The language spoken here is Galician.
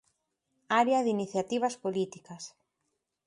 Área de Iniciativas Políticas.